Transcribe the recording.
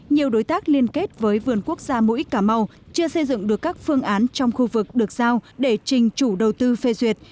nhiều đối tác liên kết với vườn quốc gia mũi cà mau chưa xây dựng được các phương án trong khu vực được giao để trình chủ đầu tư phê duyệt